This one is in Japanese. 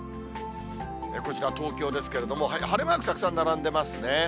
こちら、東京ですけれども、晴れマークたくさん並んでますね。